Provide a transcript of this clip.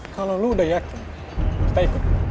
kalau lo udah ya kita ikut